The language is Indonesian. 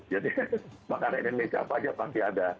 jadi makanan indonesia apa saja pasti ada